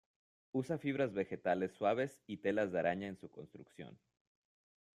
Usa fibras vegetales suaves y telas de araña en su construcción.